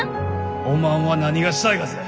おまんは何がしたいがぜ？